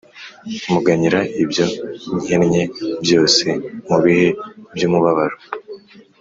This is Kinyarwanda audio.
Muganyira ibyo nkennye byose mubihe by’umubabaro